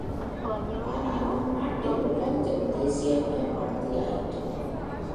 ஆனால் நம் நாட்டிலோ லஞ்சம் தேசியமயப்படுத்தியாயிற்று.